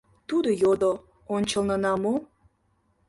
Тудо йодо: «Ончылнына мо?»